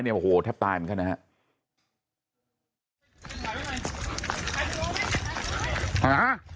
จะจับได้เนี่ยโหแทบตายมันก็นะฮะ